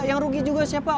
yang rugi juga siapa